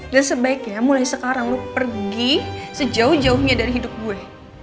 dan sebaiknya mulai sekarang lo pergi sejauh jauhnya dari hidup gue